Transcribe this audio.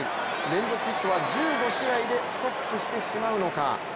連続ヒットは１５試合でストップしてしまうのか。